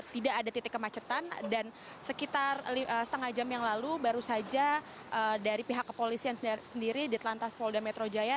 tidak ada titik kemacetan dan sekitar setengah jam yang lalu baru saja dari pihak kepolisian sendiri di telantas polda metro jaya